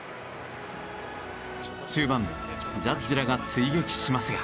終盤ジャッジらが追撃しますが。